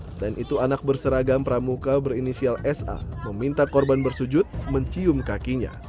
selain itu anak berseragam pramuka berinisial sa meminta korban bersujud mencium kakinya